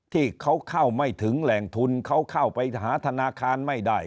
ที่เขาเข้าไม่ถึงแหล่งทุนเขาเข้าไปหาธนาคารไม่ได้